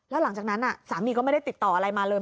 แล้วหลังจากนั้นสามีก็ไม่ได้ติดต่ออะไรมาเลย